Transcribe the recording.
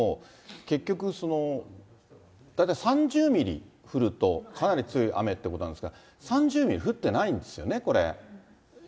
結局、大体３０ミリ降るとかなり強い雨ということなんですが、３０ミリ降ってないんですよね、これ。